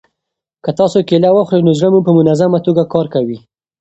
که تاسي کیله وخورئ نو زړه مو په منظمه توګه کار کوي.